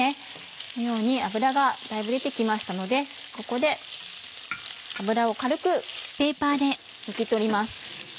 このように脂がだいぶ出て来ましたのでここで脂を軽く拭き取ります。